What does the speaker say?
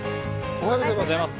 おはようございます。